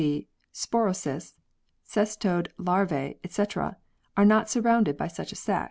g. sporocysts, cestode larvae, etc. are not surrounded by such a sac."